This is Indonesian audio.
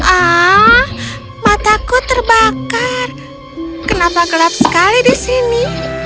ah mataku terbakar kenapa gelap sekali di sini